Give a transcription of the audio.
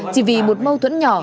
chỉ vì một mâu thuẫn nhỏ